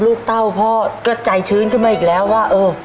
เต้าพ่อก็ใจชื้นขึ้นมาอีกแล้วว่าเออ